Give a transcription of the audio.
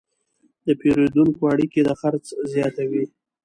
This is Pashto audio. د پیرودونکو اړیکې د خرڅ زیاتوي.